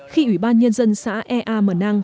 khi ủy ban nhân dân xã ea mờ nang